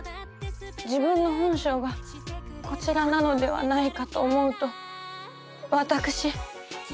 自分の本性がこちらなのではないかと思うと私。